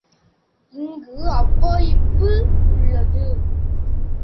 இங்கு அவ்வாய்ப்பு உள்ளது.